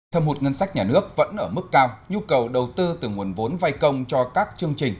thâm hụt ngân sách nhà nước vẫn ở mức cao nhu cầu đầu tư từ nguồn vốn vay công cho các chương trình